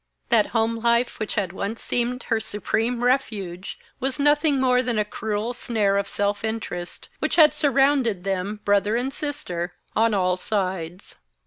That home life which had once seemed her supreme refuge was nothing more than a cruel snare of self interest, which had surrounded them, brother and sister, on all sides.